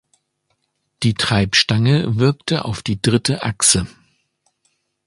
Die Treibstange wirkte auf die dritte Achse.